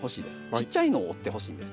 ちっちゃいのを折ってほしいんです。